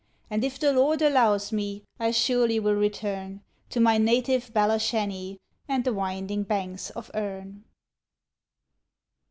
And if the Lord allows me, I surely will return To my native Belashanny, and the winding banks of Erne.